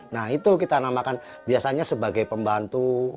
nah itu kita namakan biasanya sebagai pembantu